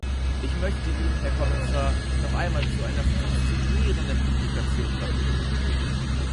Ich möchte Ihnen, Herrn Kommissar, noch einmal zu einer faszinierenden Publikation gratulieren.